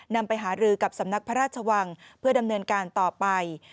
นำไปหารือกับสำนักพระราชวังเพื่อดำเนินการต่อไป